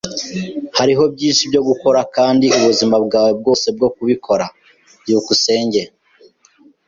Hariho byinshi byo gukora, kandi ubuzima bwawe bwose bwo kubikora. byukusenge